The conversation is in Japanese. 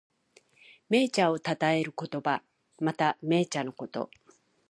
銘茶をたたえる言葉。また、銘茶のこと。